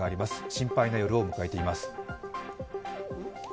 心配な夜を迎えています。